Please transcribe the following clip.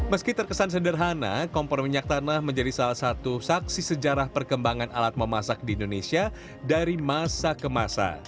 meski terkesan sederhana kompor minyak tanah menjadi salah satu saksi sejarah perkembangan alat memasak di indonesia dari masa ke masa